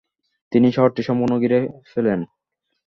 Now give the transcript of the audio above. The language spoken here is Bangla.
তিনি শহরটি সম্পূর্ণ ঘিরে ফেলেন।